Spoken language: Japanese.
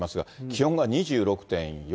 気温が２６．４度。